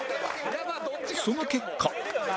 その結果